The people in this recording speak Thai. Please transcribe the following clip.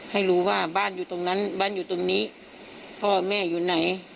ให้รู้ว่าบ้านอยู่ตรงนั้นบ้านอยู่ตรงนี้พ่อแม่อยู่ไหน